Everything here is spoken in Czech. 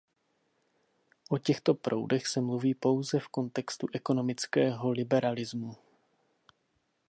O těchto proudech se mluví pouze v kontextu ekonomického liberalismu.